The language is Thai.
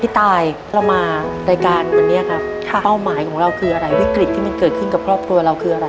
ตายเรามารายการวันนี้ครับค่ะเป้าหมายของเราคืออะไรวิกฤตที่มันเกิดขึ้นกับครอบครัวเราคืออะไร